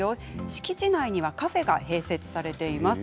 敷地内にはカフェが併設されています。